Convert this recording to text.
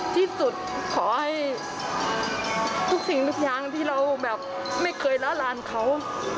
ที่สุดขอให้ทุกสิ่งทุกอย่างที่เราแบบไม่เคยละลานเขา